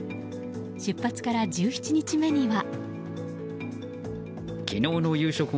出発から１７日目には。